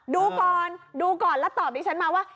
ดูก่อนดูก่อนแล้วตอบดิฉันมาว่า